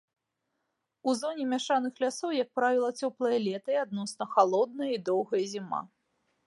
У зоне мяшаных лясоў, як правіла, цёплае лета і адносна халодная і доўгая зіма.